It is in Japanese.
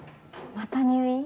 また入院？